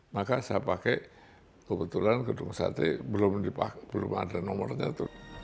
maka saya pakai kebetulan gedung sate belum ada nomornya itu